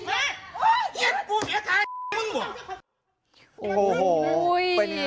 ไอ้บุ๊คค่ะมึงบอก